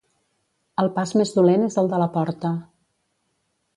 El pas més dolent és el de la porta.